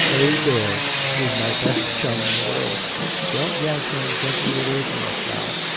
A. Baird is my best chum in the world. Don't yank him gently away from us now.